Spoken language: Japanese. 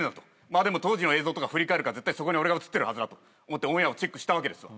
でも当時の映像とか振り返るから絶対そこに俺が映ってるはずだと思ってオンエアをチェックしたわけですよ。